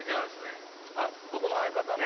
僕の相方の。